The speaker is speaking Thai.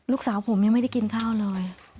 ลูกสาวผมยังไม่ได้กินข้าวเลย